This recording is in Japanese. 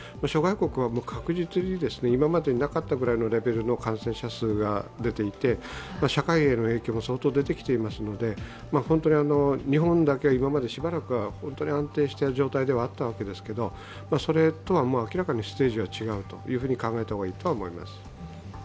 諸外国は確実に今までになかったくらいのレベルの感染者数が出ていて、社会への影響も相当出てきていますので、本当に日本だけ、今までしばらくは安定した状態ではあったんですけど、それとは明らかにステージが違うと考えた方がいいと思います。